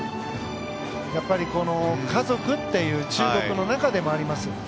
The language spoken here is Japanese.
やっぱり家族という中国の中でもあります。